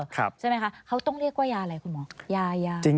ใช่ไหมคะเขาต้องเรียกว่ายาอะไรคุณหมอยายา